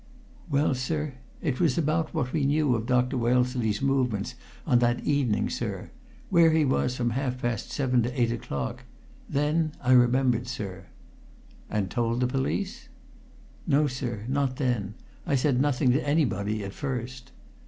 "Well, sir, it was about what we knew of Dr. Wellesley's movements on that evening, sir where he was from half past seven to eight o'clock. Then I remembered, sir." "And told the police?" "No, sir not then. I said nothing to anybody at first."